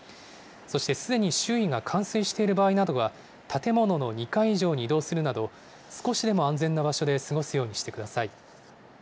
そして、すでに周囲が冠水している場合などは、建物の２階以上に移動するなど、少しでも安全な場所で過ごすようにしてください。